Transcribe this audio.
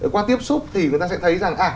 qua tiếp xúc thì người ta sẽ thấy rằng